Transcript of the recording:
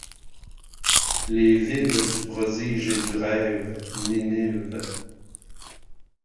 Les villes du prodige et du rêve, Ninive